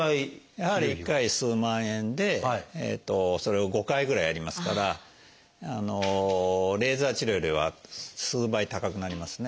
やはり１回数万円でそれを５回ぐらいやりますからレーザー治療よりは数倍高くなりますね。